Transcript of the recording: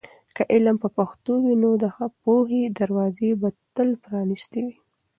که علم په پښتو وي، نو د پوهې دروازې به تل پرانیستې وي.